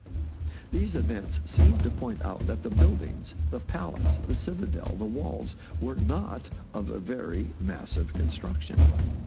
These events seem to point out that the buildings, the pal ace, the citadel, the walls, were not of very massive construction.